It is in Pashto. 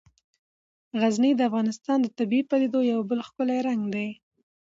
غزني د افغانستان د طبیعي پدیدو یو بل ښکلی رنګ دی.